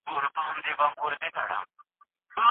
د ميرمني ذوقونه، د خوښي وړ کارونه او خواړه پوښتل.